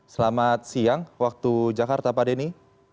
selamat siang waktu jakarta pak denny